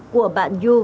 của bạn yu